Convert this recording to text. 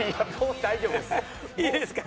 いいですか？